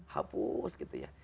hapus gitu ya